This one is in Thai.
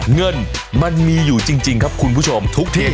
เงินมันมีอยู่จริงครับคุณผู้ชมทุกที่